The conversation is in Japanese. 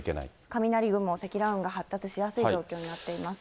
雷雲、積乱雲が発達しやすい状況になっています。